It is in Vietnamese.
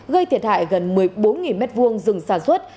gây thiệt hại gần một mươi bốn m hai rừng sản xuất